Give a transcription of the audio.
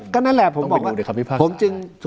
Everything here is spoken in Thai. ก็นั่นแหละผมบอกว่าต้องไปดูด้วยครับพี่ภาคศาล